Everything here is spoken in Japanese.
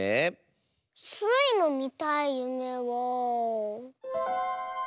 スイのみたいゆめは。